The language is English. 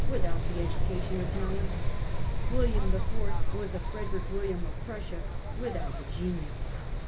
without the education or the talents ; William IV . was a Frederick William of Prussia without the genius.